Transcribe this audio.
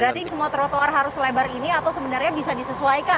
berarti semua trotoar harus lebar ini atau sebenarnya bisa disesuaikan